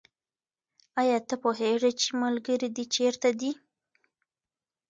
آیا ته پوهېږې چې ملګري دې چېرته دي؟